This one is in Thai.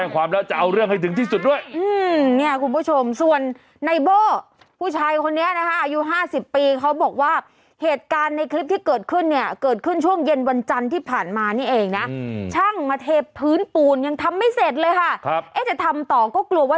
ก็เลยเดินไปต่อว่ารักษณะเหมือนคู่จ้าไม่หลงรอยกันแล้วล่ะ